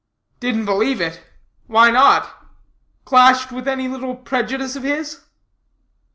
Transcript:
'" "Didn't believe it? Why not? Clashed with any little prejudice of his?"